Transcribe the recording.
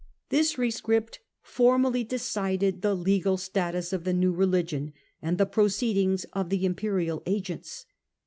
This rescript formally decided the legal status of the new religion and the proceedings of the imperial agents.